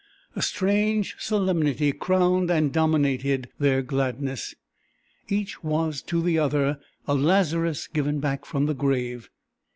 A strange solemnity crowned and dominated their gladness. Each was to the other a Lazarus given back from the grave.